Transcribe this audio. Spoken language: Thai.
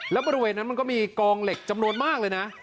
แล้วบริเวณนั้นมันก็มีกองเหล็กจำนวนมากเลยนะ